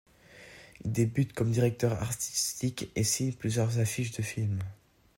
Il débute comme directeur artistique et signe plusieurs affiches de films.